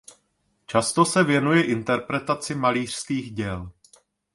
Často se věnuje interpretaci malířských děl.